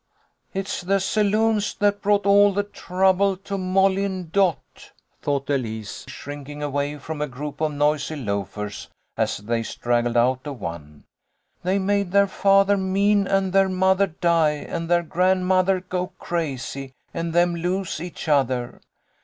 THE DAY AFTER THANKSGIVING. 189 " It's the saloons that brought all the trouble to Molly and Dot," thought Elise, shrinking away from a group of noisy loafers, as they straggled out of one. " They made their father mean and their mother die and their grandmother go crazy and them lose each other.